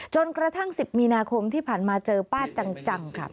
กระทั่ง๑๐มีนาคมที่ผ่านมาเจอป้าจังค่ะ